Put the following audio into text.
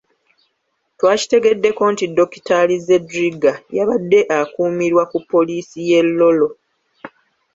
Twakitegeddeko nti Dokitaali Zedriga yabadde akuumirwa ku poliisi ye Lolo .